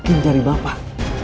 dia mencari bapak